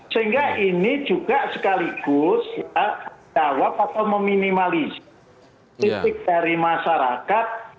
sehingga ini juga sekaligus jawab atau meminimalisir titik dari masyarakat